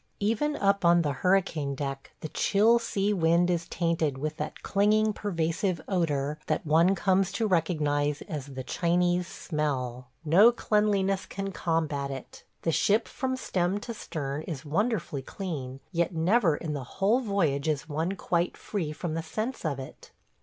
Even up on the hurricane deck the chill sea wind is tainted with that clinging, pervasive odor that one comes to recognize as "the Chinese smell." No cleanliness can combat it. The ship from stem to stern is wonderfully clean, yet never in the whole voyage is one quite free from the sense of it.